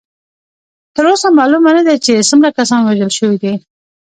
تر اوسه معلومه نه ده چې څومره کسان وژل شوي دي.